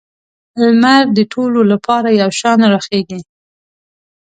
لمر د ټولو لپاره یو شان راخیږي.